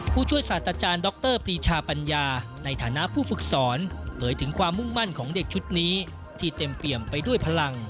ผู้ช่วยศาสตราจารย์ดรปรีชาปัญญาในฐานะผู้ฝึกสอนเผยถึงความมุ่งมั่นของเด็กชุดนี้ที่เต็มเปี่ยมไปด้วยพลัง